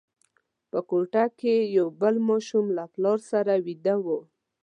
په کوټه کې یو بل ماشوم له پلار سره ویده وو.